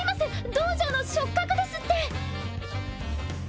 道場の食客ですって。